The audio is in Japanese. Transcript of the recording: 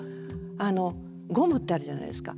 ゴムってあるじゃないですか。